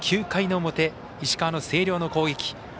９回の表石川の星稜の攻撃。